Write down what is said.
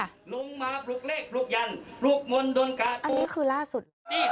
อันนี้คือล่าสุด